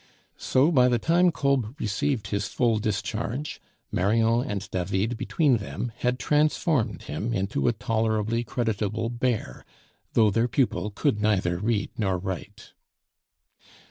So, by the time Kolb received his full discharge, Marion and David between them had transformed him into a tolerably creditable "bear," though their pupil could neither read nor write.